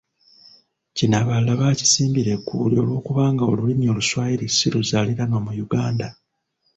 Kino abalala baakisimbira ekkuuli olw’okubanga olulimi Oluswayiri si luzaaliranwa mu Yuganda.